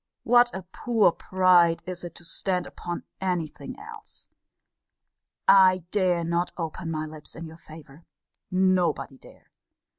What a poor pride is it to stand upon any thing else! I dare not open my lips in your favour. Nobody dare.